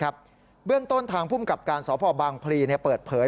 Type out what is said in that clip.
เบื้องต้นทางภูมิกับการสพบางพลีเปิดเผย